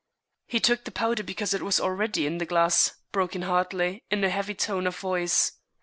"He took the powder because it was already in the glass," broke in Hartley, in a heavy tone of voice.